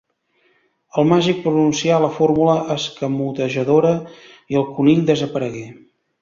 El màgic pronuncià la fórmula escamotejadora i el conill desaparegué.